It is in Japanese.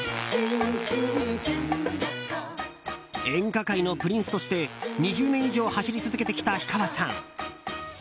演歌界のプリンスとして２０年以上走り続けてきた氷川さん。